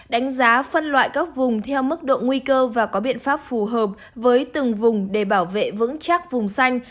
đánh giá phân loại các vùng theo mức độ nguy cơ và có biện pháp phù hợp với từng vùng để bảo vệ vững chắc vùng xanh